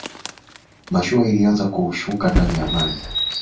mashua ilianza kushuka ndani ya maji